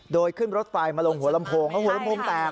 โดยขึ้นรถไฟมาลงหัวลำโพงแล้วหัวลำโพงแตก